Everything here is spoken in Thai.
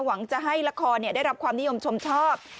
หวังจะให้ละครได้รับความนิยมชมชอบ